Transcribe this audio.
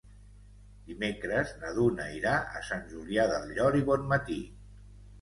Dimecres na Duna irà a Sant Julià del Llor i Bonmatí.